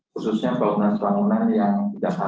khususnya bangunan bangunan yang tidak